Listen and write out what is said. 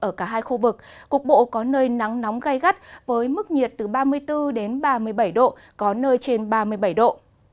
ở cả hai khu vực cục bộ có nơi nắng nóng gai gắt với mức nhiệt từ ba mươi bốn đến ba mươi bảy độ có nơi trên ba mươi bảy độ